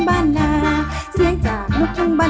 แต่ว่าตอนนี้เราพักตะครูครับ